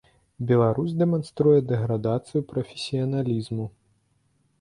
Беларусь дэманструе дэградацыю прафесіяналізму.